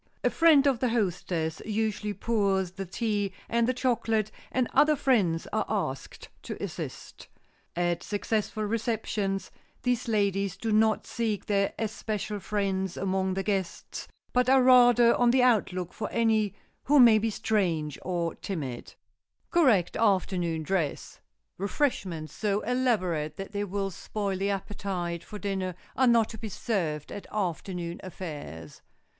A friend of the hostess usually pours the tea and the chocolate, and other friends are asked to assist. At successful receptions these ladies do not seek their especial friends among the guests, but are rather on the lookout for any who may be strange or timid. [Sidenote: CORRECT AFTERNOON DRESS] Refreshments so elaborate that they will spoil the appetite for dinner are not to be served at afternoon affairs.